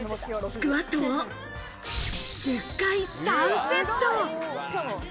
スクワットを１０回３セット。